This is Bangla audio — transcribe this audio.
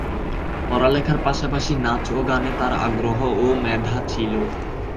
পড়ালেখার পাশাপাশি নাচ ও গানে তার আগ্রহ ও মেধা ছিল।